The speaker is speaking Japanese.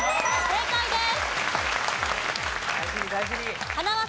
正解です。